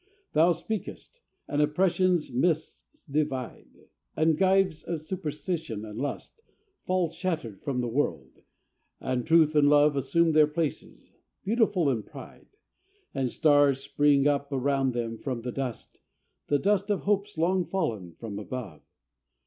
Thou speakest, and Oppression's mists divide; And gyves of Superstition and of Lust Fall shattered from the World; and Truth and Love Assume their places, beautiful in pride: And stars spring up around them from the dust, The dust of hopes long fallen from above.